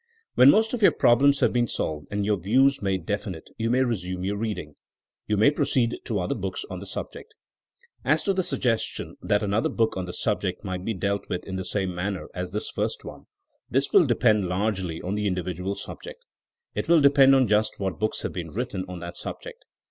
When most of your problems have been solved and your views made definite you may resume your reading. You may proceed to other books on the subject. As to the suggestion that another book on the subject might be dealt with in the same manner as this first one : this will depend largely on the individual subject. It will depend on just what books have been written on that subject.